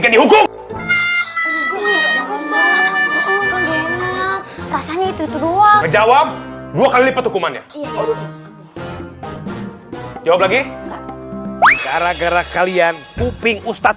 dihukum rasanya itu dua kali petugasnya jawab lagi gara gara kalian kuping ustadz